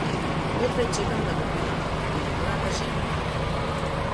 Одвај чекам да го видам, вели мојата жена.